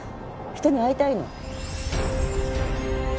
人に会いたいの。